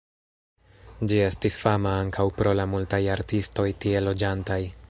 Ĝi estis fama ankaŭ pro la multaj artistoj tie loĝantaj.